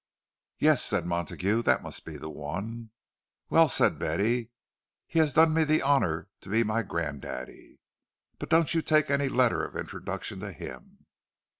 "Yes," said Montague—"that must be the one." "Well," said Betty, "he has done me the honour to be my granddaddy; but don't you take any letter of introduction to him."